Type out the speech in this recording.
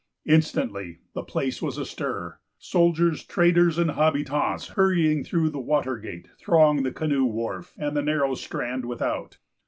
Instantly the place was astir. Soldiers, traders, and habitants, hurrying through the water gate, thronged the canoe wharf and the narrow strand without.